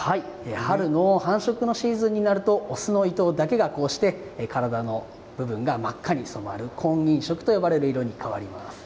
春の繁殖シーズンになるとオスのイトウだけが体の部分が真っ赤に染まる婚姻色という色に変わります。